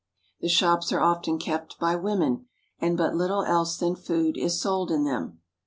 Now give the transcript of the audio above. The shops are often kept by women, and but little else than food is sold in them.